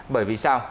bởi vì sao